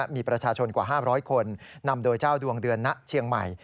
มีประชาชนกว่า๕๐๐คนนำโดยเจ้าดวงเดือนนะเชียงใหม่